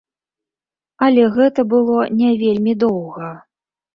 Але гэта было не вельмі доўга.